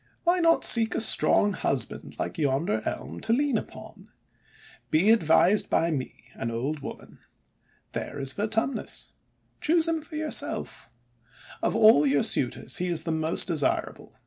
Why not seek a strong husband, like yonder Elm, to lean upon? Be advised by me, an old woman! There is Vertumnus. Choose him for yourself. Of all your suitors he is the most desirable.